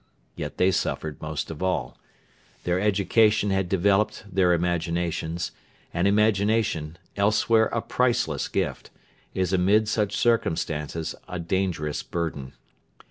Yet they suffered most of all. Their education had developed their imaginations; and imagination, elsewhere a priceless gift, is amid such circumstances a dangerous burden.